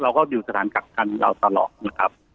เราก็อยู่สถานกักกันเราตลอดนะครับ